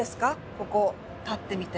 ここ立ってみて。